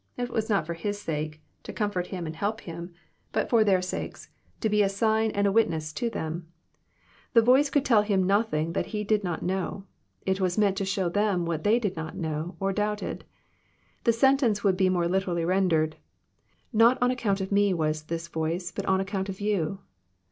It was not for His sake,— to comfort Him and help Him j 1 85S EXFOBITOBT THOUGHTS* bnt for their sakes,— to be a sign and a witness to tbem. The ▼oice coQld tell Him nothing that He did not know. It was meant to show them what they did not know, or doubted. The sentence would be more literally rendered, Not on ac count of Me was this voice, but on account of you.'